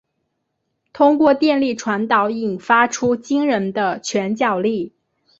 透过电力传导引发出惊人的拳脚力。